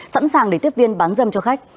sẵn sàng để tiếp viên bán dâm cho khách